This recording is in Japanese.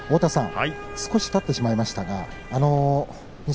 少したってしまいましたが錦